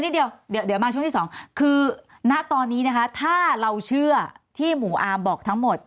เดี๋ยวเดี๋ยวมาช่วงที่สองคือณตอนนี้นะคะถ้าเราเชื่อที่หมู่อาร์มบอกทั้งหมด